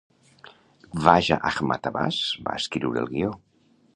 Khwaja Ahmad Abbas va escriure el guió.